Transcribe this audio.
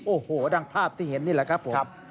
โอ้โหดังภาพที่เห็นนี่แหละครับผม